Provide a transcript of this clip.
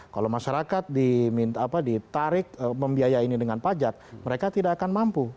kalau masyarakat ditarik membiayai ini dengan pajak mereka tidak akan mampu